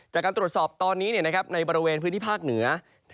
จากการตรวจสอบตอนนี้ในบริเวณพื้นที่ภาคเหนือ